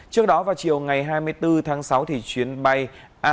trước đó vào chiều ngày hai mươi bốn tháng sáu thì chuyến bay a hai mươi bốn